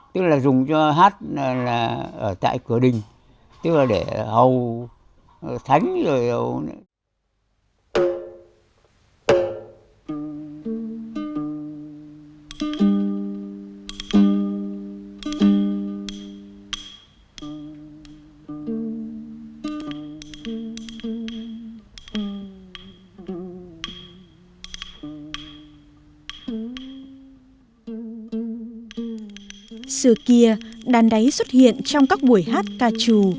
tức là dùng cho hát tại cửa đình tức là để hầu thánh